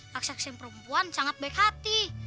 raksasa yang perempuan sangat baik hati